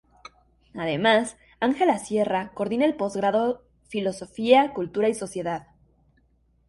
Además, Ángela Sierra coordina el posgrado Filosofía, Cultura y Sociedad.